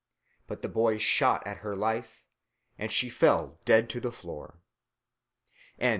But the boy shot at her life, and she fell dead to the floor. LXVII.